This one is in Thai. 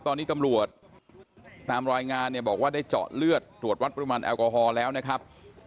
ตอนนี้ตำรวจตามรายงานเนี่ยบอกว่าได้เจาะเลือดตรวจวัดปริมาณแอลกอฮอล์แล้วนะครับ